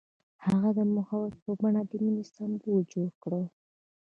هغه د محبت په بڼه د مینې سمبول جوړ کړ.